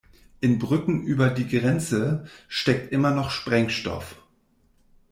In Brücken über die Grenze steckt immer noch Sprengstoff.